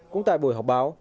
cũng tại buổi họp báo